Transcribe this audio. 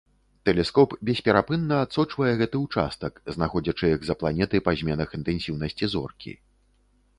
Тэлескоп бесперапынна адсочвае гэты ўчастак, знаходзячы экзапланеты па зменах інтэнсіўнасці зоркі.